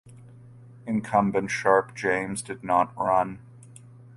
Incumbent Sharpe James did not run.